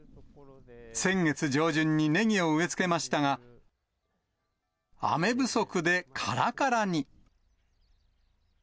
先月上旬にネギを植え付けましたが、雨不足でからからに。